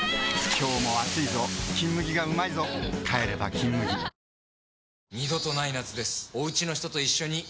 今日も暑いぞ「金麦」がうまいぞ帰れば「金麦」きたきた！